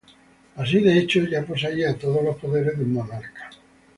Así, de hecho, ya poseía todos los poderes de un monarca.